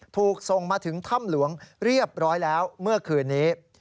ถูกส่งมาถึงถ้ำหลวงเรียบร้อยแล้วเมื่อคืนนี้